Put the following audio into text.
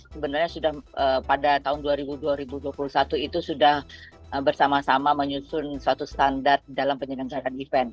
sebenarnya sudah pada tahun dua ribu dua puluh satu itu sudah bersama sama menyusun suatu standar dalam penyelenggaraan event